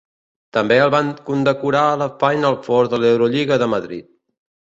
També el van condecorar a la Final Four de l'Eurolliga de Madrid.